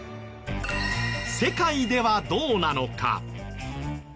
世界ではどうなのか？